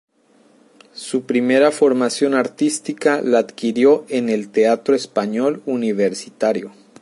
Su primera formación artística la adquirió en el Teatro Español Universitario.